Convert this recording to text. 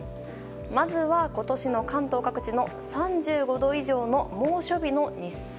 まずは今年の関東各地の３５度以上の猛暑日の日数。